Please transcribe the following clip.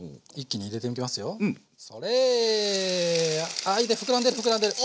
あいいね膨らんでる膨らんでる！